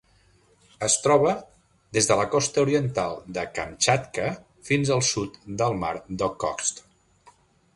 Es troba des de la costa oriental de Kamtxatka fins al sud del Mar d'Okhotsk.